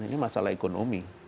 ini masalah ekonomi